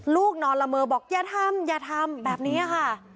ลูกนอนละเมอบอกอย่าทำอย่าทำแบบนี้ค่ะ